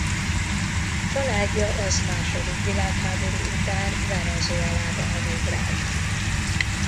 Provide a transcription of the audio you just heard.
Családja az második világháború után Venezuelába emigrált.